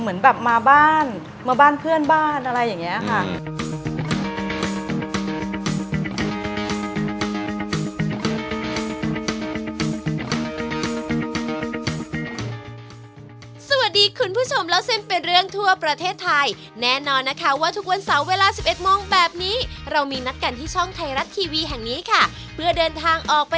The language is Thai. เหมือนแบบมาบ้านมาบ้านเพื่อนบ้านอะไรอย่างนี้ค่ะ